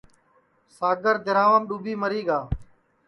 ساگر دِرھاوام ڈُؔوٻی مری گا